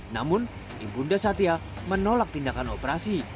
namun ibunda satya menolak tindakan operasi